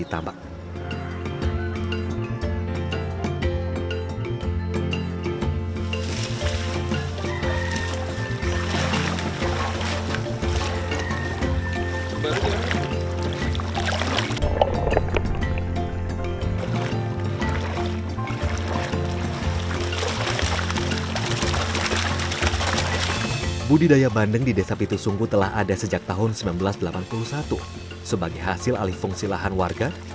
tapi sudah melanglang